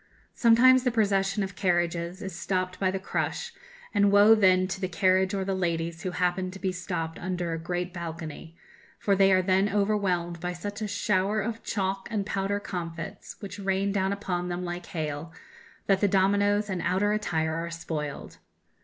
Sometimes the procession of carriages is stopped by the crush, and woe then to the carriage or the ladies who happen to be stopped under a great balcony, for they are then overwhelmed by such a shower of chalk and powder comfits, which rain down upon them like hail, that the dominoes and outer attire are spoiled!